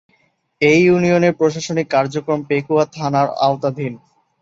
এ ইউনিয়নের প্রশাসনিক কার্যক্রম পেকুয়া থানার আওতাধীন।